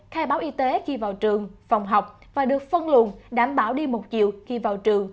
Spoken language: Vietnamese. khai báo y tế khi vào trường phòng học và được phân luồn đảm bảo đi một chiều khi vào trường